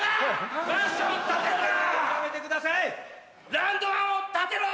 ラウンドワンを建てろ！